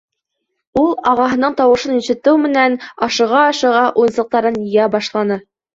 Ул, ағаһының тауышын ишетеү менән, ашыға-ашыға уйынсыҡтарын йыя башланы.